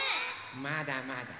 まだまだ。